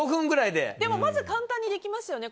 でも、まず簡単にできますよね。